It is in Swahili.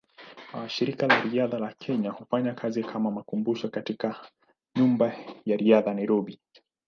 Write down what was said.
Shirika la Riadha la Kenya hufanya kazi kama makumbusho katika Nyumba ya Riadha, Nairobi.